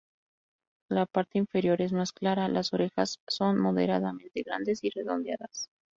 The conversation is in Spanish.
La parte inferior es más clara, las orejas son moderadamente grandes y redondeadas.